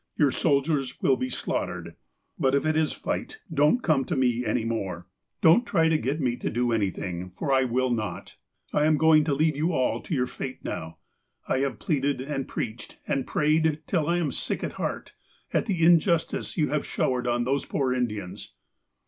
Your soldiers will be slaughtered. But if it is 'fight,' don't come to me any more. Don't try to get me to do any 286 THE APOSTLE OF ALASKA thing. For I will not. I am going to leave you all to your fate now. I have pleaded, and preached, and prayed, till I am sick at heart, at the injustice you have showered on those poor Indians."